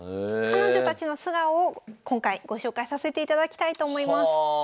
彼女たちの素顔を今回ご紹介させていただきたいと思います。